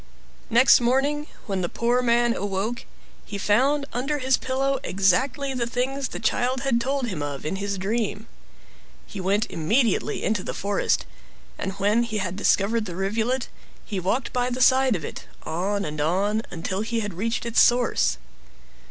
Next morning, when the poor man awoke, he found under his pillow exactly the things the child mad told him of in his dream. He went immediately into the forest, and when he had discovered the rivulet he walked by the side of it, on and on, until he reached its source.